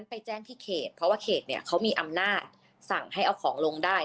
ไปแจ้งที่เขตเพราะว่าเขตเนี่ยเขามีอำนาจสั่งให้เอาของลงได้